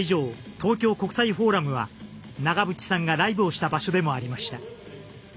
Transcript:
東京国際フォーラムは長渕さんがライブをした場所でもありました。